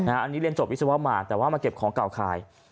อันนี้เรียนจบวิศวมาแต่ว่ามาเก็บของเก่าขาย